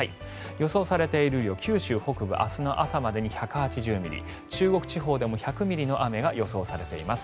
予想されている雨量九州北部明日朝までに１８０ミリ中国地方でも１００ミリの雨が予想されています。